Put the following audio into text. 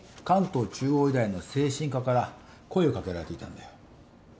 関東中央医大の精神科から声をかけられていたんだよ。